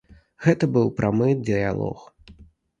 Гэта быў прамы дыялог.